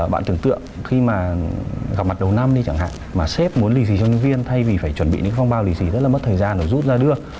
bạn tưởng tượng khi mà gặp mặt đầu năm đi chẳng hạn mà xếp muốn lì xì cho nhân viên thay vì phải chuẩn bị những phong bao lì xì rất là mất thời gian để rút ra được